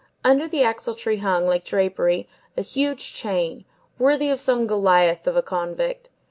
Under the axle tree hung, like drapery, a huge chain, worthy of some Goliath of a convict.